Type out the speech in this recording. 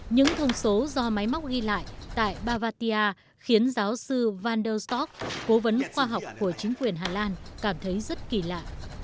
những thông số do máy móc ghi lại tại bavatia khiến giáo sư vander stock cố vấn khoa học của chính quyền hà lan cảm thấy rất kỳ lạ